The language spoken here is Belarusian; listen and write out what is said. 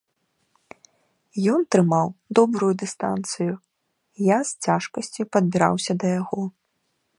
Ён трымаў добрую дыстанцыю, я з цяжкасцю падбіраўся да яго.